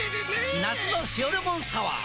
夏の「塩レモンサワー」！